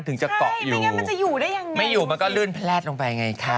ถึงจะเกาะอยู่ไม่อยู่มันก็ลื่นแพลสลงไปอย่างไรคะ